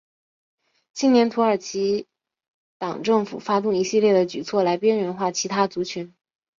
青年土耳其党政府发动一系列的举措来边缘化其他族群。